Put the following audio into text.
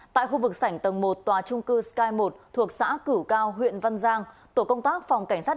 tại khu vực sảnh tầng một tòa trung cư sky một thuộc xã cửu cao huyện văn giang tổ công tác phòng cảnh sát